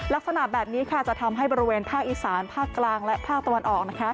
ลักษณะแบบนี้จะทำให้บริเวณภาคอีสานภาคกลางและภาคตะวันออก